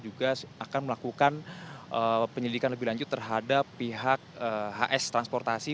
juga akan melakukan penyelidikan lebih lanjut terhadap pihak hs transportasi